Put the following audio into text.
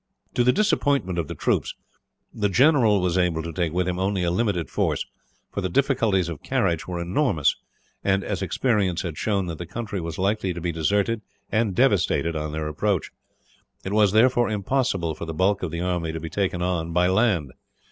To the disappointment of the troops, the general was able to take with him only a limited force; for the difficulties of carriage were enormous and, as experience had shown that the country was likely to be deserted, and devastated, on their approach; it was, therefore, impossible for the bulk of the army to be taken on, by land.